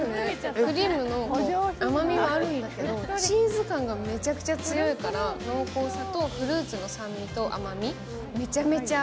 クリームの甘みもあるんだけど、チーズ感がめちゃくちゃ強いから、濃厚さとフルーツの酸味と甘み、めちゃめちゃ合う。